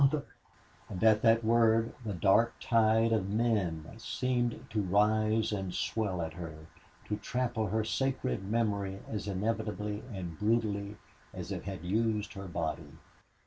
Mother!" And at that word the dark tide of men seemed to rise and swell at her, to trample her sacred memory as inevitably and brutally as it had used her body.